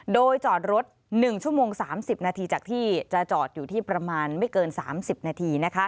โดยจอดรถหนึ่งชั่วโมงสามสิบนาทีจากที่จะจอดอยู่ที่ประมาณไม่เกินสามสิบนาทีนะคะ